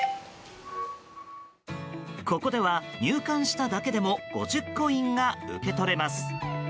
ここでは入館しただけでも５０コインが受け取れます。